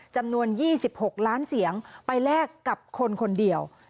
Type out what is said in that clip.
จำนวน๒๖ล้านเสียงไปแลกกับคนคนเดียว